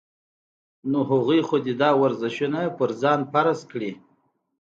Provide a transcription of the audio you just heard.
نو هغوي خو دې دا ورزشونه پۀ ځان فرض کړي -